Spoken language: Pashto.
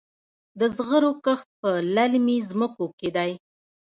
د زغرو کښت په للمي ځمکو کې دی.